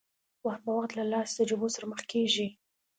وخت په وخت له داسې تجربو سره مخ کېږي.